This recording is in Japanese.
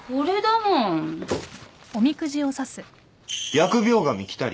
「疫病神来たり。